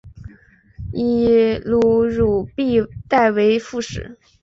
以卢汝弼代为副使。